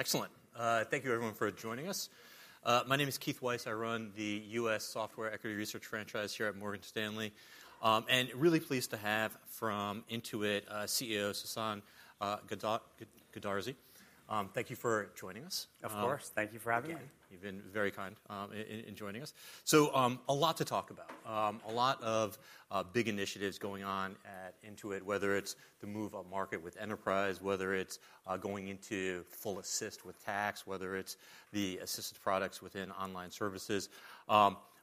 Excellent. Thank you, everyone, for joining us. My name is Keith Weiss. I run the U.S. Software Equity Research franchise here at Morgan Stanley, and really pleased to have from Intuit CEO Sasan Goodarzi. Thank you for joining us. Of course. Thank you for having me. You've been very kind in joining us. So a lot to talk about, a lot of big initiatives going on at Intuit, whether it's the move up market with enterprise, whether it's going into full assist with tax, whether it's the assisted products within online services.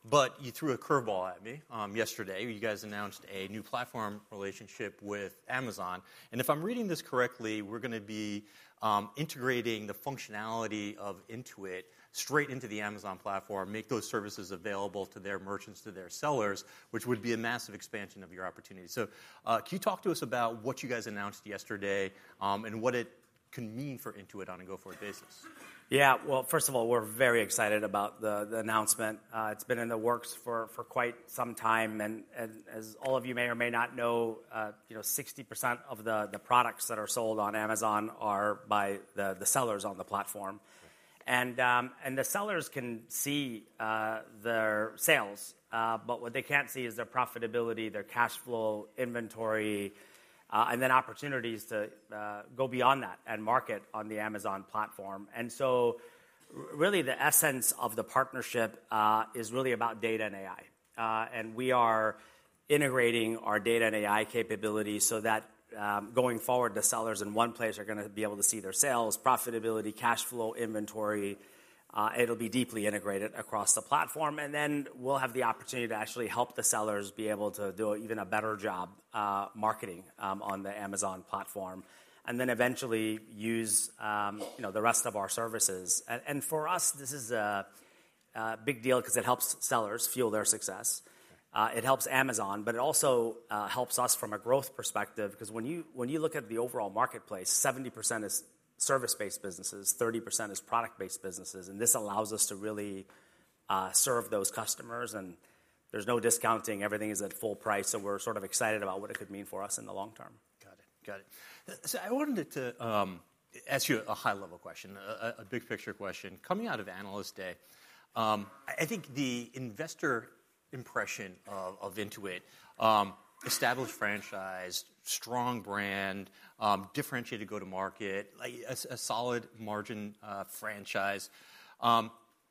But you threw a curveball at me yesterday. You guys announced a new platform relationship with Amazon. And if I'm reading this correctly, we're going to be integrating the functionality of Intuit straight into the Amazon platform, make those services available to their merchants, to their sellers, which would be a massive expansion of your opportunity. So can you talk to us about what you guys announced yesterday and what it can mean for Intuit on a go-forward basis? Yeah. Well, first of all, we're very excited about the announcement. It's been in the works for quite some time. And as all of you may or may not know, 60% of the products that are sold on Amazon are by the sellers on the platform. And the sellers can see their sales, but what they can't see is their profitability, their cash flow, inventory, and then opportunities to go beyond that and market on the Amazon platform. And so really, the essence of the partnership is really about data and AI. And we are integrating our data and AI capabilities so that going forward, the sellers in one place are going to be able to see their sales, profitability, cash flow, inventory. It'll be deeply integrated across the platform. And then we'll have the opportunity to actually help the sellers be able to do even a better job marketing on the Amazon platform, and then eventually use the rest of our services. And for us, this is a big deal because it helps sellers fuel their success. It helps Amazon, but it also helps us from a growth perspective because when you look at the overall marketplace, 70% is service-based businesses, 30% is product-based businesses. And this allows us to really serve those customers. And there's no discounting. Everything is at full price. So we're sort of excited about what it could mean for us in the long term. Got it. Got it. So I wanted to ask you a high-level question, a big-picture question. Coming out of Analyst Day, I think the investor impression of Intuit: established franchise, strong brand, differentiated go-to-market, a solid margin franchise.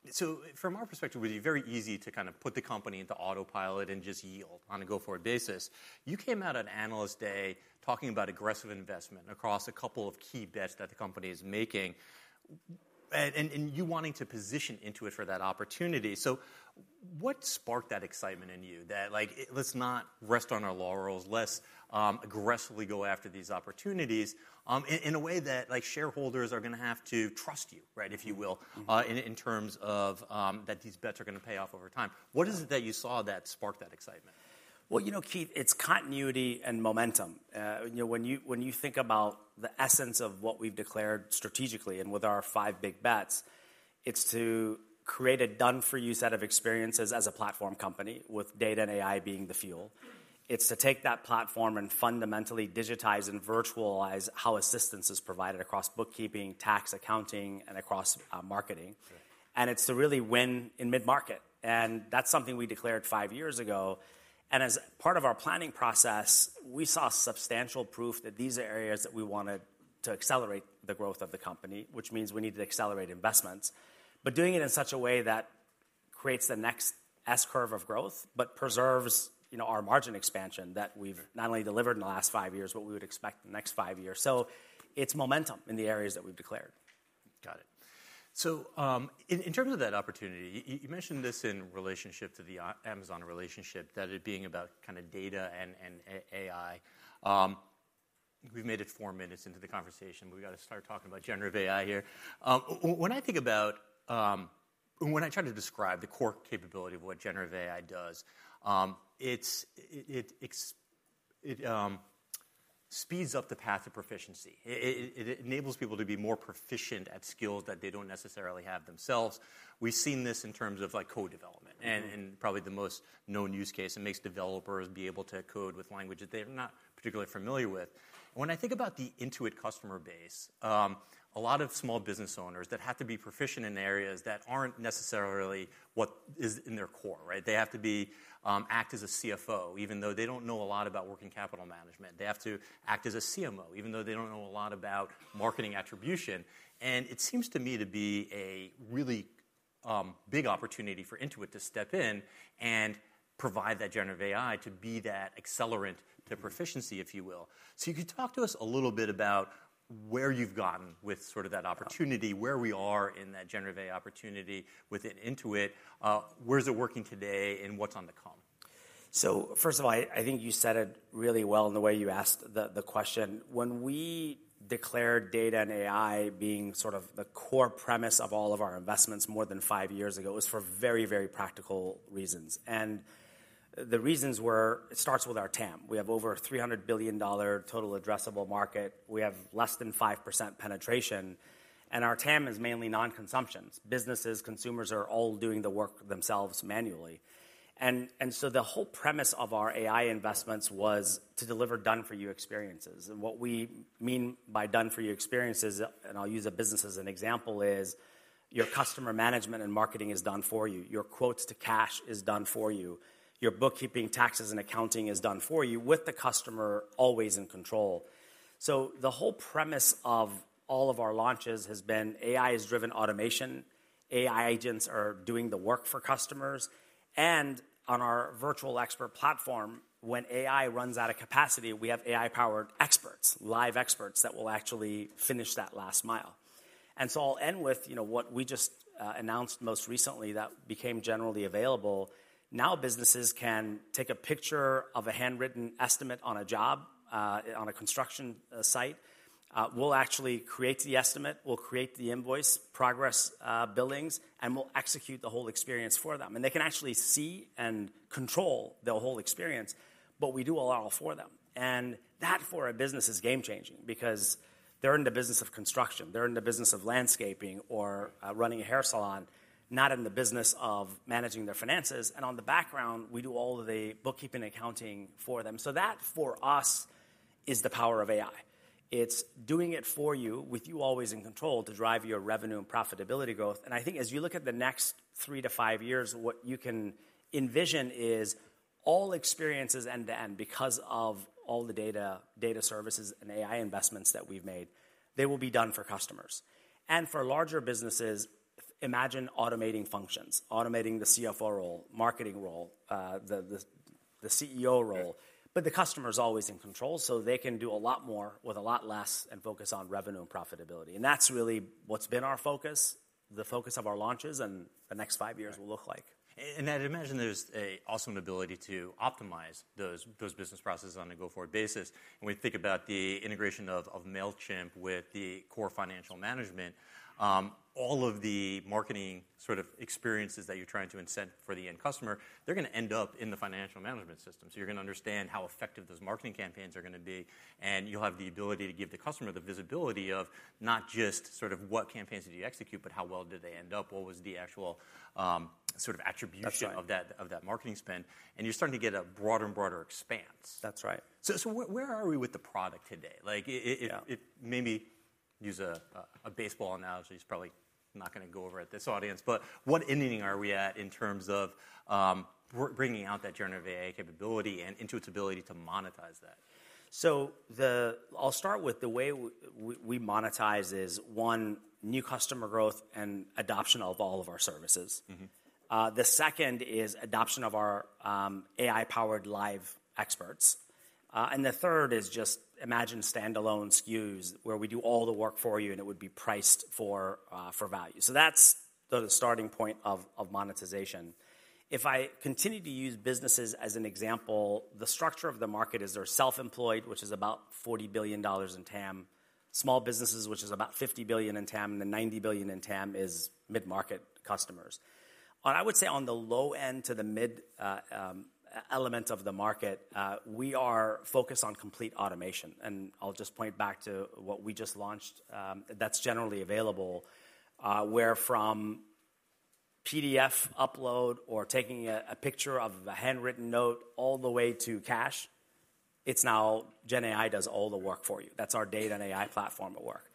So from our perspective, it would be very easy to kind of put the company into autopilot and just yield on a go-forward basis. You came out on Analyst Day talking about aggressive investment across a couple of key bets that the company is making and you wanting to position Intuit for that opportunity. So what sparked that excitement in you that, like, let's not rest on our laurels, let's aggressively go after these opportunities in a way that shareholders are going to have to trust you, right, if you will, in terms of that these bets are going to pay off over time? What is it that you saw that sparked that excitement? Well, you know, Keith, it's continuity and momentum. When you think about the essence of what we've declared strategically and with our five big bets, it's to create a done-for-you set of experiences as a platform company with data and AI being the fuel. It's to take that platform and fundamentally digitize and virtualize how assistance is provided across bookkeeping, tax, accounting, and across marketing. And it's to really win in mid-market. And that's something we declared five years ago. And as part of our planning process, we saw substantial proof that these are areas that we wanted to accelerate the growth of the company, which means we need to accelerate investments, but doing it in such a way that creates the next S-curve of growth but preserves our margin expansion that we've not only delivered in the last five years, but we would expect the next five years. It's momentum in the areas that we've declared. Got it. So in terms of that opportunity, you mentioned this in relationship to the Amazon relationship, that it being about kind of data and AI. We've made it four minutes into the conversation. We've got to start talking about generative AI here. When I think about when I try to describe the core capability of what generative AI does, it speeds up the path of proficiency. It enables people to be more proficient at skills that they don't necessarily have themselves. We've seen this in terms of code development and probably the most known use case. It makes developers be able to code with languages they're not particularly familiar with. When I think about the Intuit customer base, a lot of small business owners that have to be proficient in areas that aren't necessarily what is in their core, right? They have to act as a CFO, even though they don't know a lot about working capital management. They have to act as a CMO, even though they don't know a lot about marketing attribution. And it seems to me to be a really big opportunity for Intuit to step in and provide that generative AI to be that accelerant to proficiency, if you will. So you could talk to us a little bit about where you've gotten with sort of that opportunity, where we are in that generative AI opportunity within Intuit, where's it working today, and what's on the come? So first of all, I think you said it really well in the way you asked the question. When we declared data and AI being sort of the core premise of all of our investments more than five years ago, it was for very, very practical reasons. And the reasons were it starts with our TAM. We have over $300 billion total addressable market. We have less than 5% penetration. And our TAM is mainly non-consumptions. Businesses, consumers are all doing the work themselves manually. And so the whole premise of our AI investments was to deliver done-for-you experiences. And what we mean by done-for-you experiences, and I'll use a business as an example, is your customer management and marketing is done for you. Your quote-to-cash is done for you. Your bookkeeping, taxes, and accounting is done for you with the customer always in control. So the whole premise of all of our launches has been AI-driven automation. AI agents are doing the work for customers. And on our Virtual Expert Platform, when AI runs out of capacity, we have AI-powered experts, live experts that will actually finish that last mile. And so I'll end with what we just announced most recently that became generally available. Now businesses can take a picture of a handwritten estimate on a job on a construction site. We'll actually create the estimate. We'll create the invoice, progress billings, and we'll execute the whole experience for them. And they can actually see and control their whole experience, but we do a lot for them. And that for a business is game-changing because they're in the business of construction. They're in the business of landscaping or running a hair salon, not in the business of managing their finances. In the background, we do all of the bookkeeping and accounting for them. So that for us is the power of AI. It's doing it for you with you always in control to drive your revenue and profitability growth. And I think as you look at the next three to five years, what you can envision is all experiences end to end because of all the data, data services, and AI investments that we've made. They will be done for customers. And for larger businesses, imagine automating functions, automating the CFO role, marketing role, the CEO role, but the customer is always in control so they can do a lot more with a lot less and focus on revenue and profitability. And that's really what's been our focus, the focus of our launches and the next five years will look like. I'd imagine there's an awesome ability to optimize those business processes on a go-forward basis. When we think about the integration of Mailchimp with the core financial management, all of the marketing sort of experiences that you're trying to incent for the end customer, they're going to end up in the financial management system. So you're going to understand how effective those marketing campaigns are going to be. You'll have the ability to give the customer the visibility of not just sort of what campaigns did you execute, but how well did they end up, what was the actual sort of attribution of that marketing spend. You're starting to get a broader and broader expanse. That's right. So where are we with the product today? Maybe use a baseball analogy. It's probably not going to go over at this audience. But what inning are we at in terms of bringing out that generative AI capability and Intuit's ability to monetize that? So I'll start with the way we monetize is, one, new customer growth and adoption of all of our services. The second is adoption of our AI-powered live experts. And the third is just imagine standalone SKUs where we do all the work for you and it would be priced for value. So that's the starting point of monetization. If I continue to use businesses as an example, the structure of the market is they're self-employed, which is about $40 billion in TAM, small businesses, which is about $50 billion in TAM, and the $90 billion in TAM is mid-market customers. I would say on the low end to the mid-end of the market, we are focused on complete automation. And I'll just point back to what we just launched that's generally available, where from PDF upload or taking a picture of a handwritten note all the way to cash. It's now GenAI does all the work for you. That's our data and AI platform at work.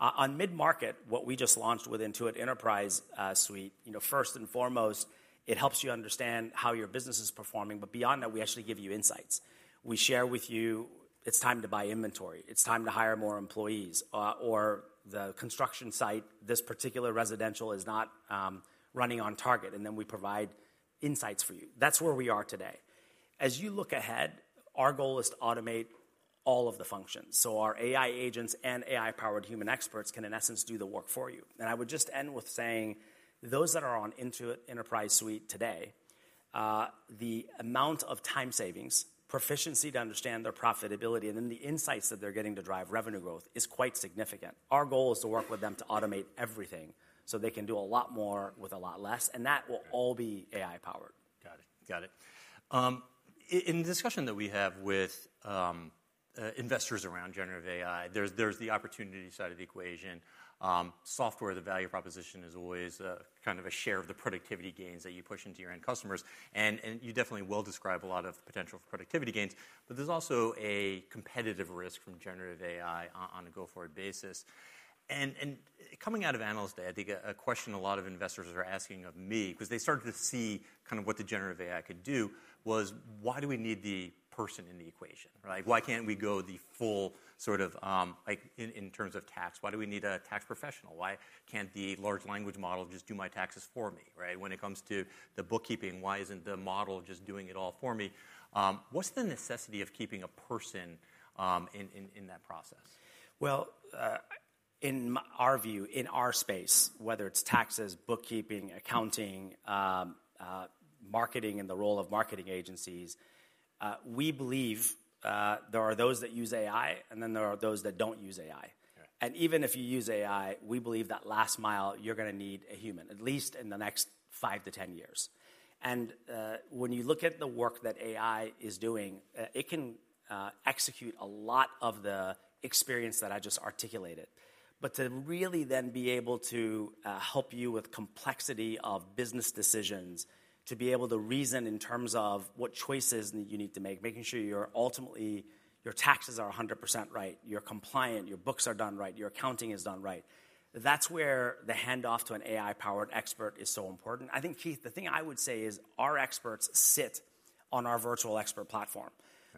On mid-market, what we just launched with Intuit Enterprise Suite, first and foremost, it helps you understand how your business is performing. But beyond that, we actually give you insights. We share with you, it's time to buy inventory. It's time to hire more employees. Or the construction site, this particular residential is not running on target. And then we provide insights for you. That's where we are today. As you look ahead, our goal is to automate all of the functions. So our AI agents and AI-powered human experts can, in essence, do the work for you. I would just end with saying those that are on Intuit Enterprise Suite today, the amount of time savings, proficiency to understand their profitability, and then the insights that they're getting to drive revenue growth is quite significant. Our goal is to work with them to automate everything so they can do a lot more with a lot less. That will all be AI-powered. Got it. Got it. In the discussion that we have with investors around generative AI, there's the opportunity side of the equation. Software, the value proposition is always kind of a share of the productivity gains that you push into your end customers. And you definitely well describe a lot of potential for productivity gains. But there's also a competitive risk from generative AI on a go-forward basis. And coming out of Analyst Day, I think a question a lot of investors are asking of me, because they started to see kind of what the generative AI could do, was why do we need the person in the equation, right? Why can't we go the full sort of in terms of tax, why do we need a tax professional? Why can't the large language model just do my taxes for me, right? When it comes to the bookkeeping, why isn't the model just doing it all for me? What's the necessity of keeping a person in that process? In our view, in our space, whether it's taxes, bookkeeping, accounting, marketing, and the role of marketing agencies, we believe there are those that use AI, and then there are those that don't use AI. Even if you use AI, we believe that last mile you're going to need a human, at least in the next five to ten years. When you look at the work that AI is doing, it can execute a lot of the experience that I just articulated. To really then be able to help you with complexity of business decisions, to be able to reason in terms of what choices you need to make, making sure you're ultimately your taxes are 100% right, you're compliant, your books are done right, your accounting is done right, that's where the handoff to an AI-powered expert is so important. I think, Keith, the thing I would say is our experts sit on our Virtual Expert Platform,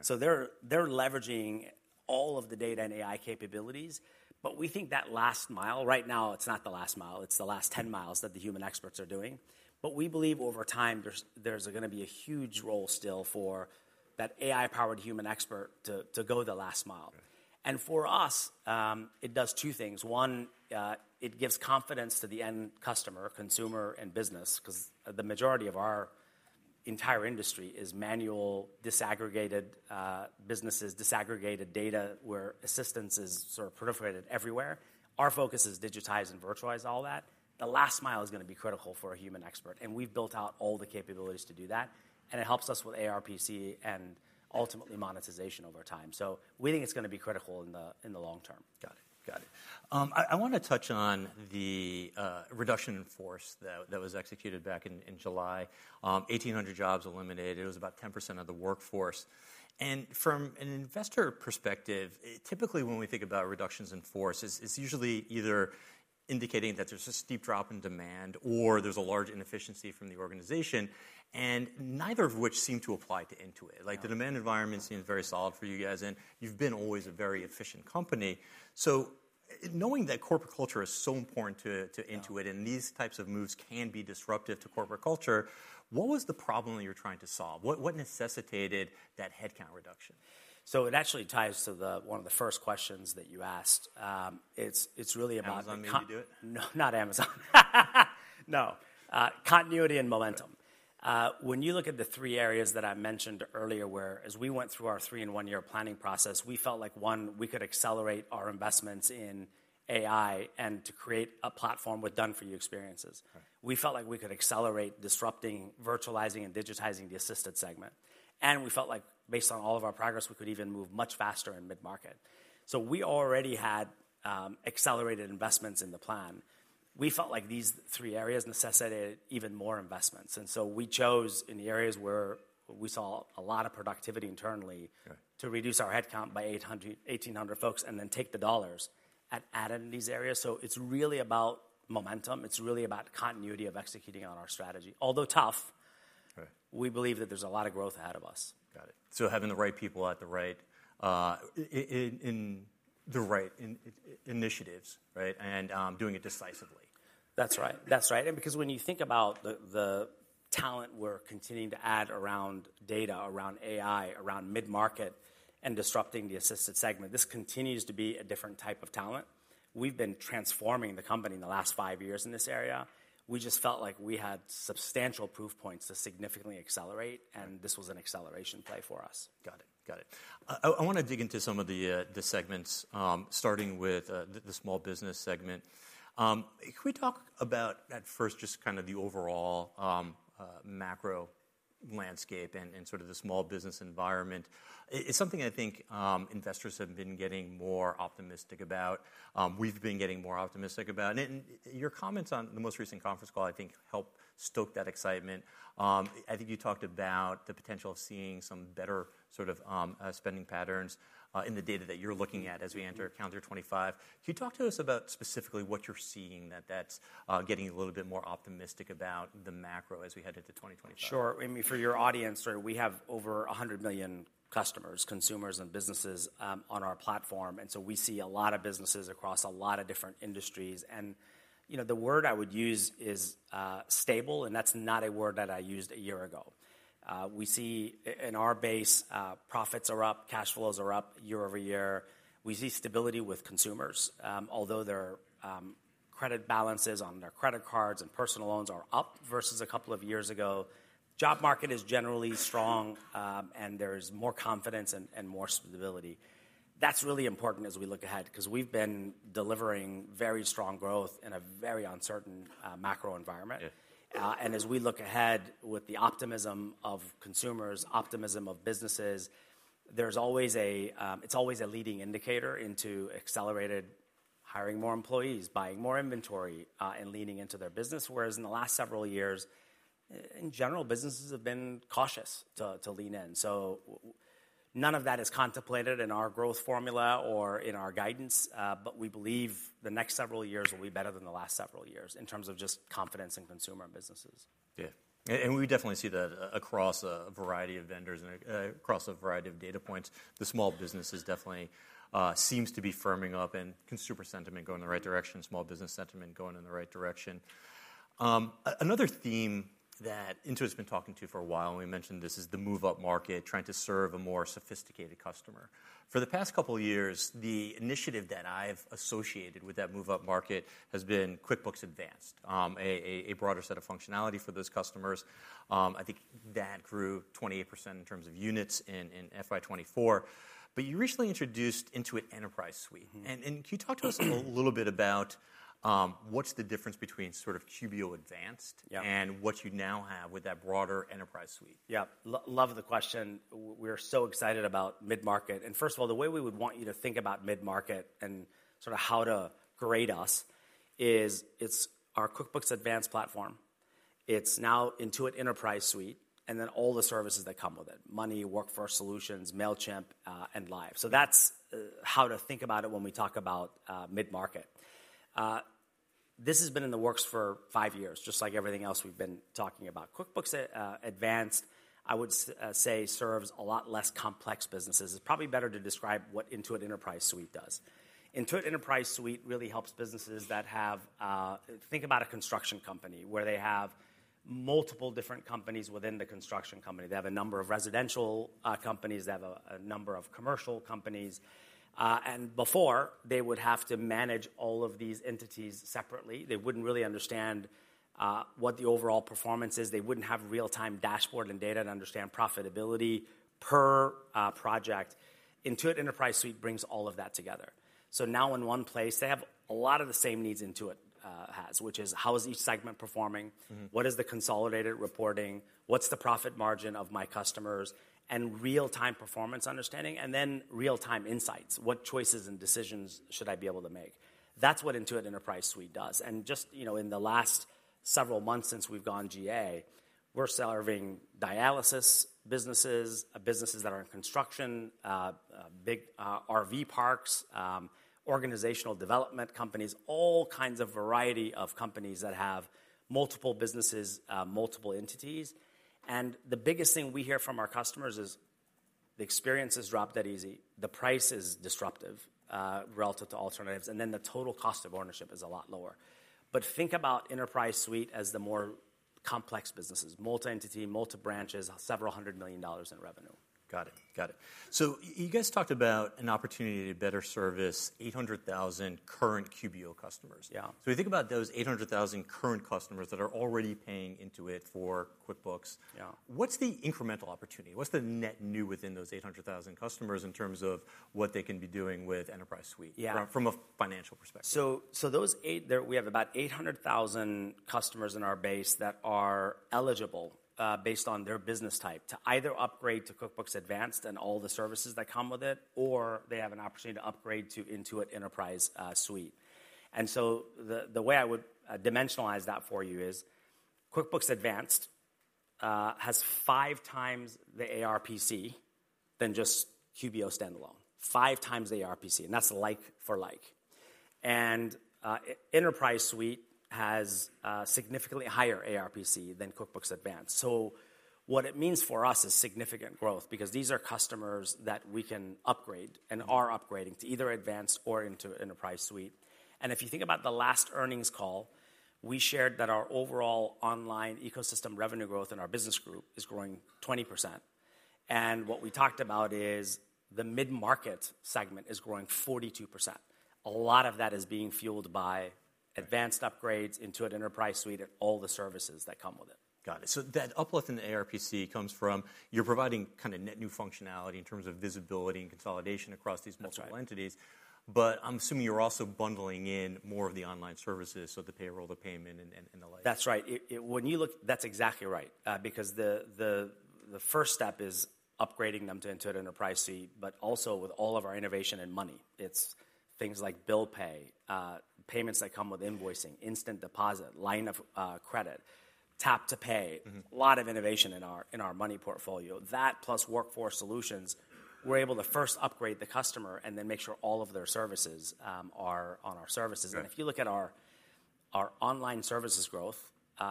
so they're leveraging all of the data and AI capabilities, but we think that last mile right now, it's not the last mile. It's the last 10 miles that the human experts are doing, but we believe over time there's going to be a huge role still for that AI-powered human expert to go the last mile. And for us, it does two things. One, it gives confidence to the end customer, consumer, and business, because the majority of our entire industry is manual disaggregated businesses, disaggregated data where assistance is sort of proliferated everywhere. Our focus is digitize and virtualize all that. The last mile is going to be critical for a human expert, and we've built out all the capabilities to do that. It helps us with ARPC and ultimately monetization over time. We think it's going to be critical in the long term. Got it. Got it. I want to touch on the reduction in force that was executed back in July. 1,800 jobs eliminated. It was about 10% of the workforce, and from an investor perspective, typically when we think about reductions in force, it's usually either indicating that there's a steep drop in demand or there's a large inefficiency from the organization, and neither of which seem to apply to Intuit. Like the demand environment seems very solid for you guys, and you've been always a very efficient company, so knowing that corporate culture is so important to Intuit and these types of moves can be disruptive to corporate culture, what was the problem that you're trying to solve? What necessitated that headcount reduction? So it actually ties to one of the first questions that you asked. It's really about. Amazon made me do it? No, not Amazon. No. Continuity and momentum. When you look at the three areas that I mentioned earlier whereas we went through our 3- and 1-year planning process, we felt like one, we could accelerate our investments in AI and to create a platform with done-for-you experiences. We felt like we could accelerate disrupting, virtualizing, and digitizing the assisted segment. And we felt like based on all of our progress, we could even move much faster in mid-market. So we already had accelerated investments in the plan. We felt like these three areas necessitated even more investments. And so we chose in the areas where we saw a lot of productivity internally to reduce our headcount by 1,800 folks and then take the dollars and add in these areas. So it's really about momentum. It's really about continuity of executing on our strategy. Although tough, we believe that there's a lot of growth ahead of us. Got it, so having the right people at the right initiatives, right, and doing it decisively. That's right. That's right. And because when you think about the talent we're continuing to add around data, around AI, around mid-market, and disrupting the assisted segment, this continues to be a different type of talent. We've been transforming the company in the last five years in this area. We just felt like we had substantial proof points to significantly accelerate. And this was an acceleration play for us. Got it. Got it. I want to dig into some of the segments, starting with the small business segment. Can we talk about at first just kind of the overall macro landscape and sort of the small business environment? It's something I think investors have been getting more optimistic about. We've been getting more optimistic about. And your comments on the most recent conference call, I think, helped stoke that excitement. I think you talked about the potential of seeing some better sort of spending patterns in the data that you're looking at as we enter calendar 2025. Can you talk to us about specifically what you're seeing that's getting a little bit more optimistic about the macro as we head into 2025? Sure. I mean, for your audience, we have over 100 million customers, consumers, and businesses on our platform. And so we see a lot of businesses across a lot of different industries. And the word I would use is stable. And that's not a word that I used a year ago. We see in our base, profits are up, cash flows are up year-over-year. We see stability with consumers. Although their credit balances on their credit cards and personal loans are up versus a couple of years ago, job market is generally strong and there's more confidence and more stability. That's really important as we look ahead because we've been delivering very strong growth in a very uncertain macro environment. As we look ahead with the optimism of consumers, optimism of businesses, there's always, it's always a leading indicator into accelerated hiring more employees, buying more inventory, and leaning into their business. Whereas in the last several years, in general, businesses have been cautious to lean in, so none of that is contemplated in our growth formula or in our guidance, but we believe the next several years will be better than the last several years in terms of just confidence in consumer businesses. Yeah. And we definitely see that across a variety of vendors and across a variety of data points. The small businesses definitely seem to be firming up and consumer sentiment going in the right direction, small business sentiment going in the right direction. Another theme that Intuit has been talking to for a while, and we mentioned this is the move-up market, trying to serve a more sophisticated customer. For the past couple of years, the initiative that I've associated with that move-up market has been QuickBooks Advanced, a broader set of functionality for those customers. I think that grew 28% in terms of units in FY24. But you recently introduced Intuit Enterprise Suite. And can you talk to us a little bit about what's the difference between sort of QBO Advanced and what you now have with that broader enterprise suite? Yeah. Love the question. We are so excited about mid-market. And first of all, the way we would want you to think about mid-market and sort of how to grade us is it's our QuickBooks Advanced platform. It's now Intuit Enterprise Suite and then all the services that come with it, Money, Workforce solutions, Mailchimp, and workflow or QuickBooks Live. So that's how to think about it when we talk about mid-market. This has been in the works for five years, just like everything else we've been talking about. QuickBooks Advanced, I would say, serves a lot less complex businesses. It's probably better to describe what Intuit Enterprise Suite does. Intuit Enterprise Suite really helps businesses that have, think about a construction company where they have multiple different companies within the construction company. They have a number of residential companies. They have a number of commercial companies. And before, they would have to manage all of these entities separately. They wouldn't really understand what the overall performance is. They wouldn't have real-time dashboard and data to understand profitability per project. Intuit Enterprise Suite brings all of that together. So now in one place, they have a lot of the same needs Intuit has, which is how is each segment performing? What is the consolidated reporting? What's the profit margin of my customers? And real-time performance understanding. And then real-time insights. What choices and decisions should I be able to make? That's what Intuit Enterprise Suite does. And just in the last several months since we've gone GA, we're serving dialysis businesses, businesses that are in construction, big RV parks, organizational development companies, all kinds of variety of companies that have multiple businesses, multiple entities. And the biggest thing we hear from our customers is the experience is dramatically easier. The price is disruptive relative to alternatives. And then the total cost of ownership is a lot lower. But think about Enterprise Suite as the more complex businesses, multi-entity, multi-branches, several hundred million dollars in revenue. Got it. So you guys talked about an opportunity to better service 800,000 current QBO customers. Yeah. So we think about those 800,000 current customers that are already paying Intuit for QuickBooks. What's the incremental opportunity? What's the net new within those 800,000 customers in terms of what they can be doing with Enterprise Suite from a financial perspective? So those eight, we have about 800,000 customers in our base that are eligible based on their business type to either upgrade to QuickBooks Advanced and all the services that come with it, or they have an opportunity to upgrade to Intuit Enterprise Suite. And so the way I would dimensionalize that for you is QuickBooks Advanced has five times the ARPC than just QBO standalone, five times the ARPC. And that's like for like. And Enterprise Suite has significantly higher ARPC than QuickBooks Advanced. So what it means for us is significant growth because these are customers that we can upgrade and are upgrading to either Advanced or into Enterprise Suite. And if you think about the last earnings call, we shared that our overall online ecosystem revenue growth in our business group is growing 20%. And what we talked about is the mid-market segment is growing 42%. A lot of that is being fueled by advanced upgrades, Intuit Enterprise Suite, and all the services that come with it. Got it. So that uplift in the ARPC comes from you're providing kind of net new functionality in terms of visibility and consolidation across these multiple entities. But I'm assuming you're also bundling in more of the online services, so the payroll, the payment, and the like. That's right. When you look, that's exactly right. Because the first step is upgrading them to Intuit Enterprise Suite, but also with all of our innovation in Money. It's things like bill pay, payments that come with invoicing, instant deposit, line of credit, tap to pay, a lot of innovation in our Money portfolio. That plus Workforce solutions, we're able to first upgrade the customer and then make sure all of their services are on our services. And if you look at our online services growth,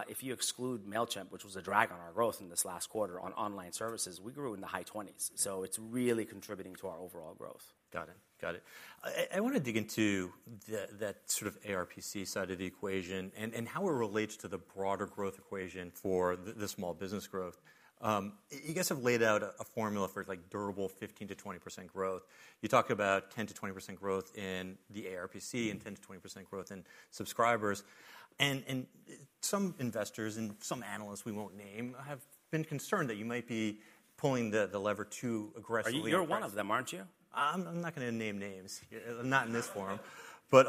if you exclude Mailchimp, which was a drag on our growth in this last quarter on online services, we grew in the high 20s. So it's really contributing to our overall growth. Got it. Got it. I want to dig into that sort of ARPC side of the equation and how it relates to the broader growth equation for the small business growth. You guys have laid out a formula for durable 15%-20% growth. You talk about 10%-20% growth in the ARPC and 10%-20% growth in subscribers. And some investors and some analysts we won't name have been concerned that you might be pulling the lever too aggressively. You're one of them, aren't you? I'm not going to name names. Not in this forum. But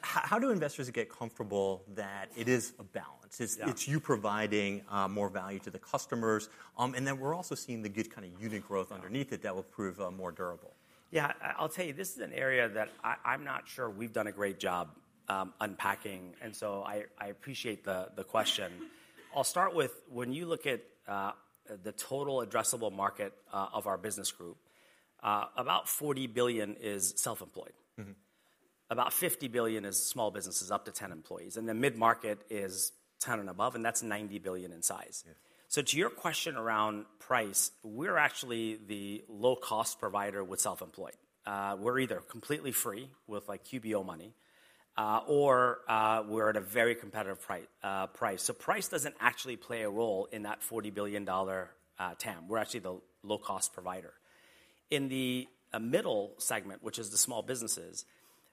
how do investors get comfortable that it is a balance? It's you providing more value to the customers, and then we're also seeing the good kind of unit growth underneath it that will prove more durable. Yeah. I'll tell you, this is an area that I'm not sure we've done a great job unpacking. And so I appreciate the question. I'll start with when you look at the total addressable market of our business group, about $40 billion is self-employed. About $50 billion is small businesses up to 10 employees. And the mid-market is 10 and above. And that's $90 billion in size. So to your question around price, we're actually the low-cost provider with self-employed. We're either completely free with QBO Money or we're at a very competitive price. So price doesn't actually play a role in that $40 billion TAM. We're actually the low-cost provider. In the middle segment, which is the small businesses,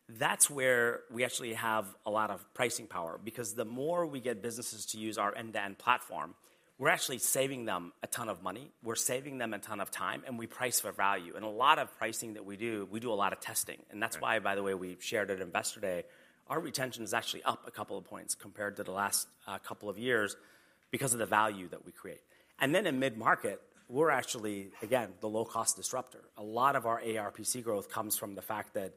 that's where we actually have a lot of pricing power. Because the more we get businesses to use our end-to-end platform, we're actually saving them a ton of Money. We're saving them a ton of time. And we price for value. And a lot of pricing that we do, we do a lot of testing. And that's why, by the way, we shared at Investor Day, our retention is actually up a couple of points compared to the last couple of years because of the value that we create. And then in mid-market, we're actually, again, the low-cost disruptor. A lot of our ARPC growth comes from the fact that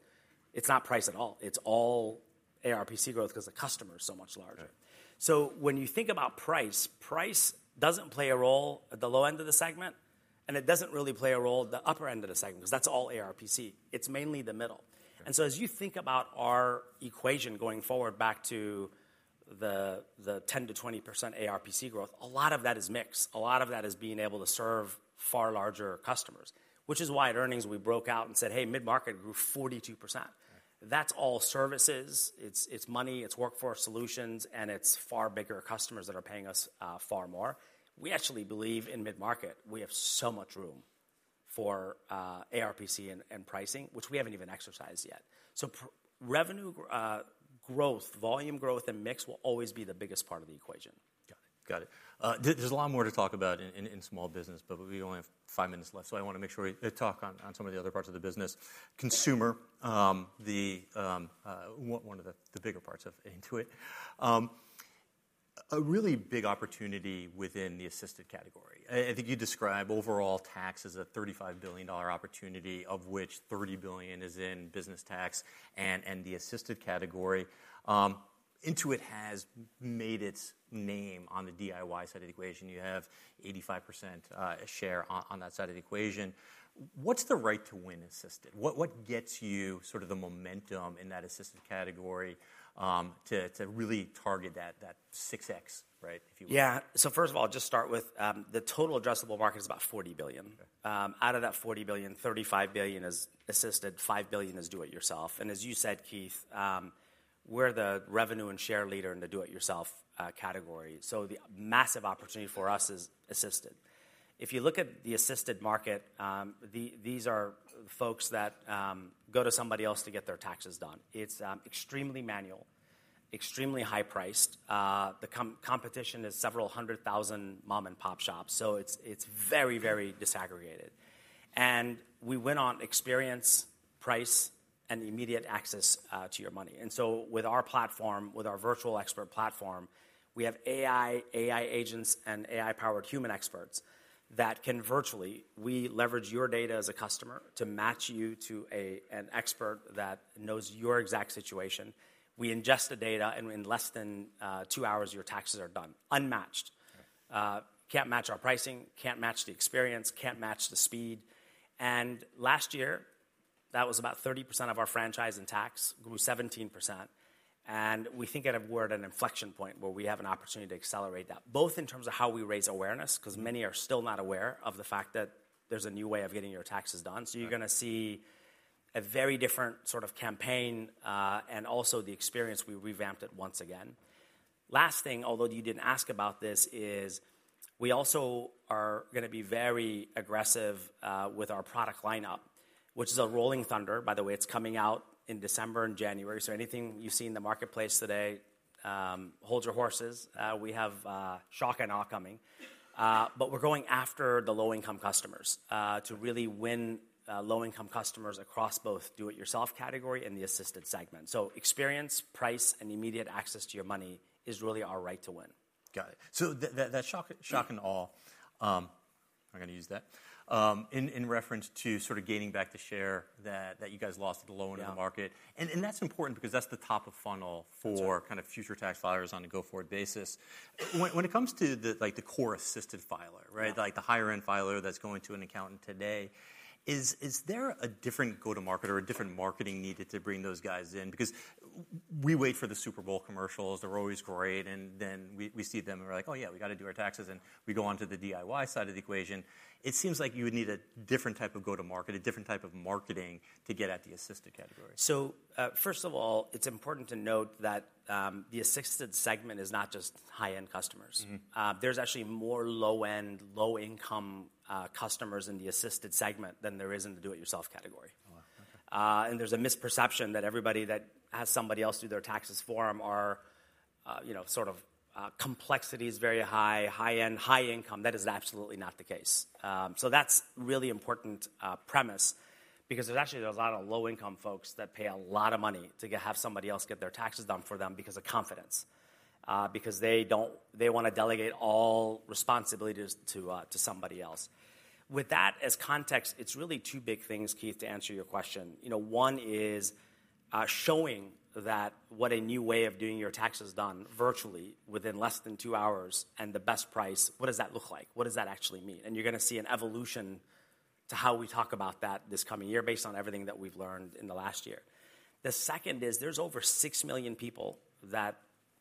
it's not price at all. It's all ARPC growth because the customer is so much larger. So when you think about price, price doesn't play a role at the low end of the segment. And it doesn't really play a role at the upper end of the segment because that's all ARPC. It's mainly the middle. And so as you think about our equation going forward back to the 10%-20% ARPC growth, a lot of that is mix. A lot of that is being able to serve far larger customers, which is why at earnings we broke out and said, hey, mid-market grew 42%. That's all services. It's Money. It's Workforce solutions. And it's far bigger customers that are paying us far more. We actually believe in mid-market, we have so much room for ARPC and pricing, which we haven't even exercised yet. So revenue growth, volume growth, and mix will always be the biggest part of the equation. Got it. Got it. There's a lot more to talk about in small business, but we only have five minutes left. So I want to make sure we talk on some of the other parts of the business. Consumer, one of the bigger parts of Intuit, a really big opportunity within the assisted category. I think you described overall tax as a $35 billion opportunity, of which $30 billion is in business tax and the assisted category. Intuit has made its name on the DIY side of the equation. You have 85% share on that side of the equation. What's the right to win assisted? What gets you sort of the momentum in that assisted category to really target that 6x, right, if you will? Yeah. So first of all, just start with the total addressable market is about $40 billion. Out of that $40 billion, $35 billion is assisted, $5 billion is do-it-yourself. And as you said, Keith, we're the revenue and share leader in the do-it-yourself category. So the massive opportunity for us is assisted. If you look at the assisted market, these are folks that go to somebody else to get their taxes done. It's extremely manual, extremely high-priced. The competition is several hundred thousand mom-and-pop shops. So it's very, very disaggregated. And we win on experience, price, and immediate access to your Money. And so with our platform, with our Virtual Expert Platform, we have AI, AI agents, and AI-powered human experts that can virtually we leverage your data as a customer to match you to an expert that knows your exact situation. We ingest the data. In less than two hours, your taxes are done, unmatched. Can't match our pricing, can't match the experience, can't match the speed. Last year, that was about 30% of our franchise in tax, grew 17%. We think we're at an inflection point where we have an opportunity to accelerate that, both in terms of how we raise awareness because many are still not aware of the fact that there's a new way of getting your taxes done. You're going to see a very different sort of campaign and also the experience we revamped it once again. Last thing, although you didn't ask about this, is we also are going to be very aggressive with our product lineup, which is a rolling thunder. By the way, it's coming out in December and January. Anything you see in the marketplace today, hold your horses. We have shock and awe coming. But we're going after the low-income customers to really win low-income customers across both do-it-yourself category and the assisted segment. So experience, price, and immediate access to your Money is really our right to win. Got it, so that shock and awe, I'm not going to use that, in reference to sort of gaining back the share that you guys lost at the low end of the market, and that's important because that's the top of funnel for kind of future tax filers on a go-forward basis. When it comes to the core assisted filer, right, like the higher-end filer that's going to an accountant today, is there a different go-to-market or a different marketing needed to bring those guys in? Because we wait for the Super Bowl commercials. They're always great, and then we see them and we're like, oh yeah, we got to do our taxes, and we go on to the DIY side of the equation. It seems like you would need a different type of go-to-market, a different type of marketing to get at the assisted category. First of all, it's important to note that the assisted segment is not just high-end customers. There's actually more low-end, low-income customers in the assisted segment than there is in the do-it-yourself category. There's a misperception that everybody that has somebody else do their taxes for them are sort of complexity is very high, high-end, high-income. That is absolutely not the case. That's a really important premise because there's actually a lot of low-income folks that pay a lot of Money to have somebody else get their taxes done for them because of confidence, because they want to delegate all responsibilities to somebody else. With that as context, it's really two big things, Keith, to answer your question. One is showing that what a new way of doing your taxes done virtually within less than two hours and the best price, what does that look like? What does that actually mean? And you're going to see an evolution to how we talk about that this coming year based on everything that we've learned in the last year. The second is there's over six million people that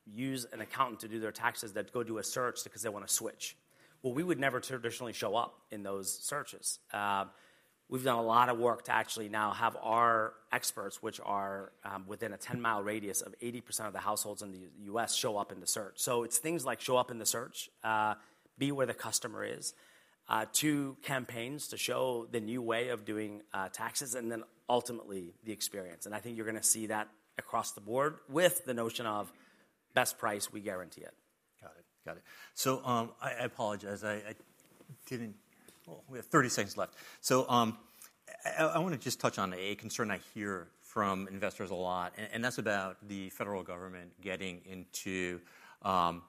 use an accountant to do their taxes that go do a search because they want to switch. Well, we would never traditionally show up in those searches. We've done a lot of work to actually now have our experts, which are within a 10-mile radius of 80% of the households in the U.S., show up in the search. So it's things like show up in the search, be where the customer is, two campaigns to show the new way of doing taxes, and then ultimately the experience. And I think you're going to see that across the board with the notion of best price, we guarantee it. Got it. Got it. So I apologize. Oh, we have 30 seconds left. So I want to just touch on a concern I hear from investors a lot. And that's about the federal government getting into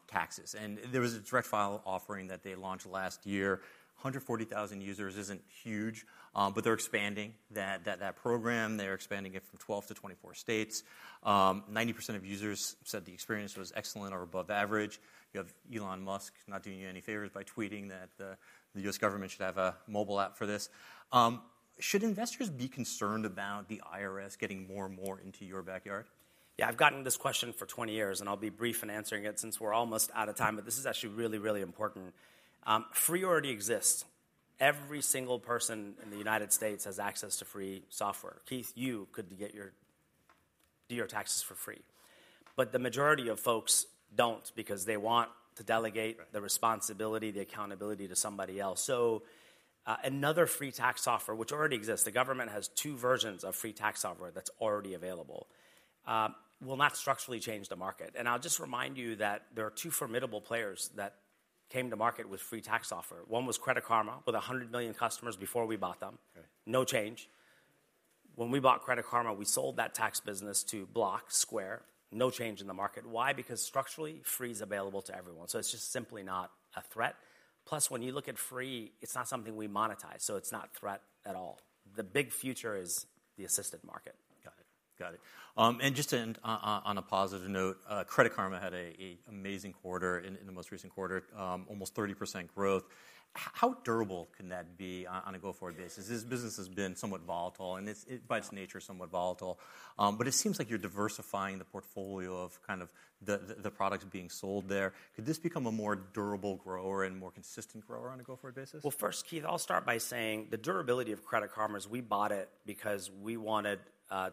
taxes. And there was a Direct File offering that they launched last year. 140,000 users isn't huge, but they're expanding that program. They're expanding it from 12 to 24 states. 90% of users said the experience was excellent or above average. You have Elon Musk not doing you any favors by tweeting that the U.S. government should have a mobile app for this. Should investors be concerned about the IRS getting more and more into your backyard? Yeah. I've gotten this question for 20 years. And I'll be brief in answering it since we're almost out of time. But this is actually really, really important. Free already exists. Every single person in the United States has access to free software. Keith, you could do your taxes for free. But the majority of folks don't because they want to delegate the responsibility, the accountability to somebody else. So another free tax software, which already exists, the government has two versions of free tax software that's already available, will not structurally change the market. And I'll just remind you that there are two formidable players that came to market with free tax software. One was Credit Karma with 100 million customers before we bought them, no change. When we bought Credit Karma, we sold that tax business to Block, Square, no change in the market. Why? Because structurally, free is available to everyone. So it's just simply not a threat. Plus, when you look at free, it's not something we monetize. So it's not a threat at all. The big future is the assisted market. Got it. Got it. And just on a positive note, Credit Karma had an amazing quarter in the most recent quarter, almost 30% growth. How durable can that be on a go-forward basis? This business has been somewhat volatile and by its nature somewhat volatile. But it seems like you're diversifying the portfolio of kind of the products being sold there. Could this become a more durable grower and more consistent grower on a go-forward basis? First, Keith, I'll start by saying the durability of Credit Karma is we bought it because we wanted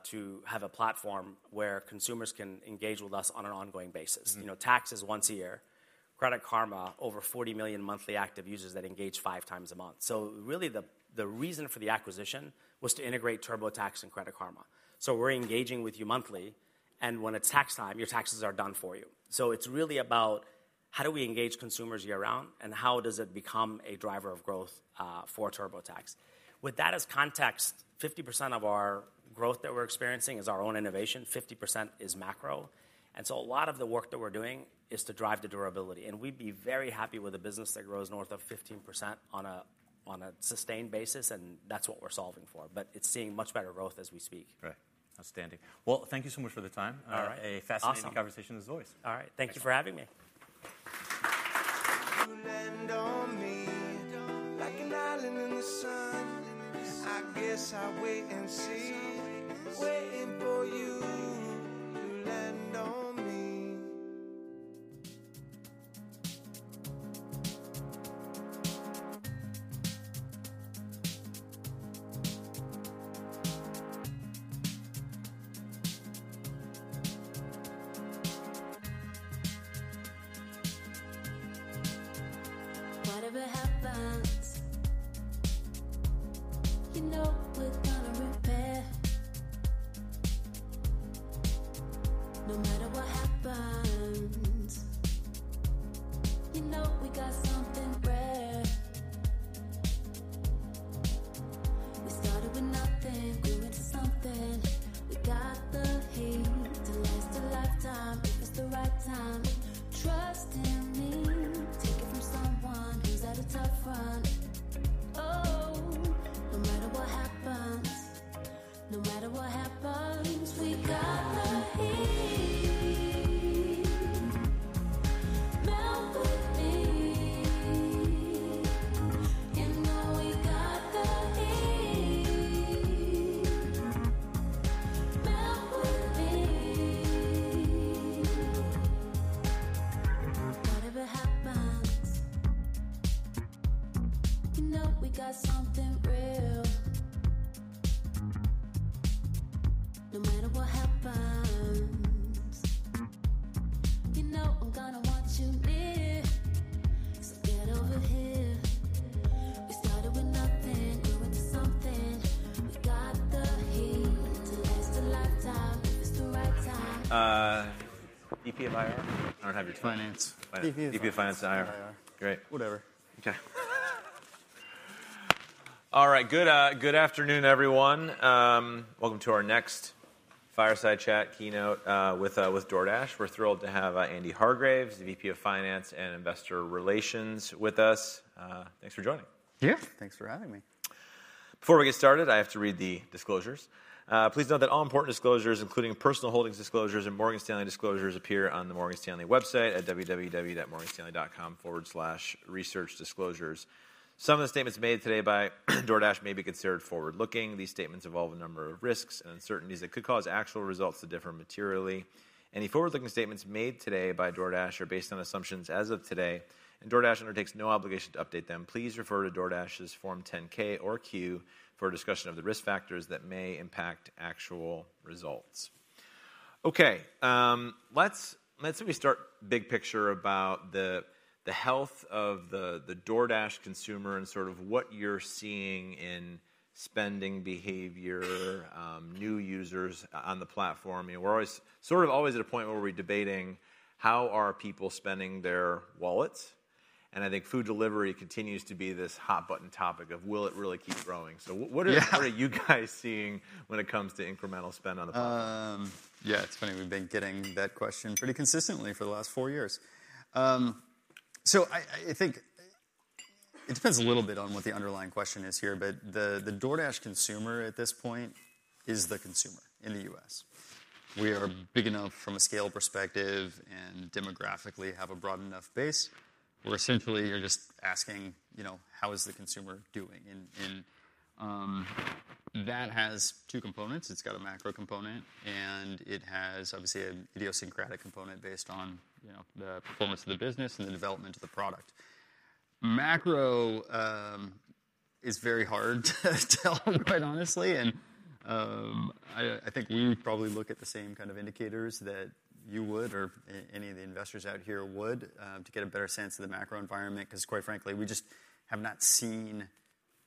to have a platform where consumers can engage with us on an ongoing basis. Taxes once a year. Credit Karma, over 40 million monthly active users that engage five times a month. Really, the reason for the acquisition was to integrate TurboTax and Credit Karma. We're engaging with you monthly. And when it's tax time, your taxes are done for you. It's really about how do we engage consumers year-round and how does it become a driver of growth for TurboTax. With that as context, 50% of our growth that we're experiencing is our own innovation. 50% is macro. A lot of the work that we're doing is to drive the durability. We'd be very happy with a business that grows north of 15% on a sustained basis. And that's what we're solving for. But it's seeing much better growth as we speak. Right. Outstanding. Well, thank you so much for the time. A fascinating conversation as always. All right. Thank you for having me. You land on me like an island in the sun. I guess I'll wait and see, waiting for you. Please note that all important disclosures, including personal holdings disclosures and Morgan Stanley disclosures, appear on the Morgan Stanley website at www.morganstanley.com/researchdisclosures. Some of the statements made today by DoorDash may be considered forward-looking. These statements involve a number of risks and uncertainties that could cause actual results to differ materially. Any forward-looking statements made today by DoorDash are based on assumptions as of today. DoorDash undertakes no obligation to update them. Please refer to DoorDash's Form 10-K or 10-Q for a discussion of the risk factors that may impact actual results. OK. Let's maybe start big picture about the health of the DoorDash consumer and sort of what you're seeing in spending behavior, new users on the platform. We're sort of always at a point where we're debating how are people spending their wallets. I think food delivery continues to be this hot-button topic of will it really keep growing. What are you guys seeing when it comes to incremental spend on the platform? Yeah. It's funny. We've been getting that question pretty consistently for the last four years. So I think it depends a little bit on what the underlying question is here. But the DoorDash consumer at this point is the consumer in the U.S. We are big enough from a scale perspective and demographically have a broad enough base. We're essentially just asking how is the consumer doing. And that has two components. It's got a macro component. And it has obviously an idiosyncratic component based on the performance of the business and the development of the product. Macro is very hard to tell, quite honestly. I think we would probably look at the same kind of indicators that you would or any of the investors out here would to get a better sense of the macro environment because, quite frankly, we just have not seen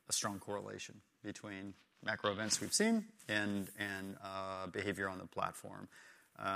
a strong correlation between macro events we've seen and behavior on the platform.